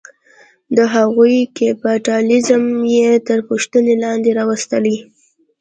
د هغوی کیپیټالیزم یې تر پوښتنې لاندې راوستلې.